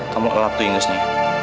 kamu elap tuh ingesnya